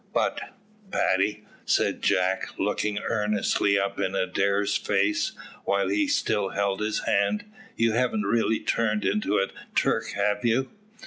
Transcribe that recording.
"But, Paddy," said Jack, looking earnestly up in Adair's face, while he still held his hand, "you haven't really turned into a Turk, have you?"